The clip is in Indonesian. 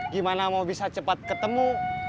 gimana mau bisa cepat ketemu